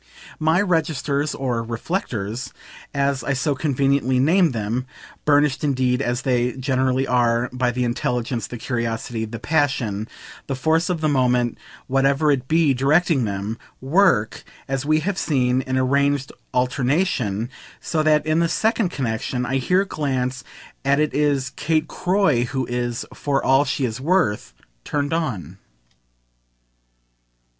My registers or "reflectors," as I so conveniently name them (burnished indeed as they generally are by the intelligence, the curiosity, the passion, the force of the moment, whatever it be, directing them), work, as we have seen, in arranged alternation; so that in the second connexion I here glance at it is Kate Croy who is, "for all she is worth," turned on.